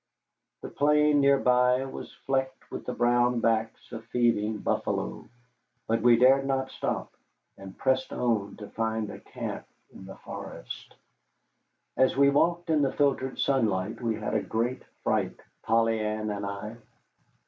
The plain near by was flecked with the brown backs of feeding buffalo, but we dared not stop, and pressed on to find a camp in the forest. As we walked in the filtered sunlight we had a great fright, Polly Ann and I.